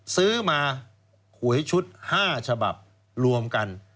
ซื้อมาหวยชุด๕ฉบับรวมกัน